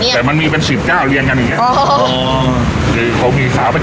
แต่มันจะแตกอีกอย่างเดียวคือเขาเรามีราปเป็ด